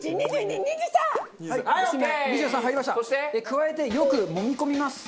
加えてよくもみ込みます。